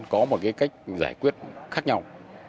có một cái cách giải quyết khác nhau